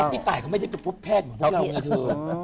พี่ตายเขาไม่ได้ไปพบแพทย์เหมือนพวกเรากันเถอะ